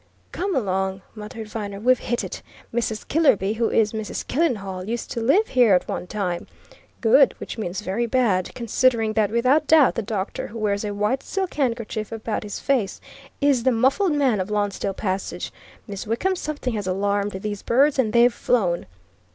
"Come along!" muttered Viner. "We've hit it! Mrs. Killerby who is Mrs. Killenhall used to live here at one time! Good which means very bad, considering that without doubt the doctor who wears a white silk handkerchief about his face is the muffled man of Lonsdale Passage. Miss Wickham, something has alarmed these birds and they've flown."